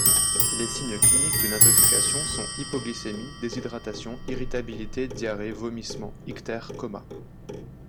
Les signes cliniques d'une intoxication sont hypoglycémie, déshydratation, irritabilité, diarrhées, vomissements, ictère, coma.